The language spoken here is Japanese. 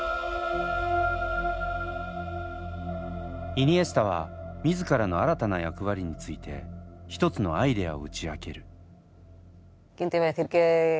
イニエスタは自らの新たな役割について一つのアイデアを打ち明ける。